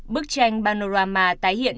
bức tranh panorama tái hiện